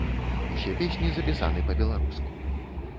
Усе песні запісаны па-беларуску.